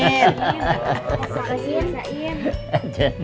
terima kasih ya sain